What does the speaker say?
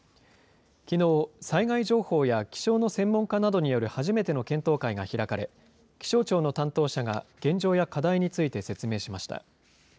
きのう、災害情報や気象の専門家などによる初めての検討会が開かれ、気象庁の担当者が現状や課題について説明しました。